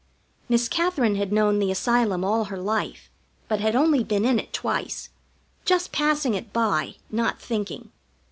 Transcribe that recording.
Miss Katherine had known the Asylum all her life, but had only been in it twice just passing it by, not thinking.